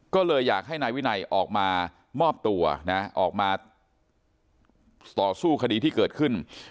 ก็เลยอยากให้นายวินัยออกมามอบตัวนะออกมาต่อสู้คดีที่เกิดขึ้น